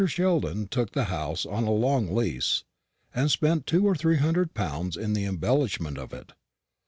Sheldon took the house on a long lease, and spent two or three hundred pounds in the embellishment of it.